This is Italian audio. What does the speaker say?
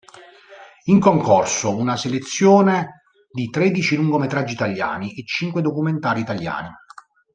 In concorso una selezione di tredici lungometraggi italiani e cinque documentari italiani.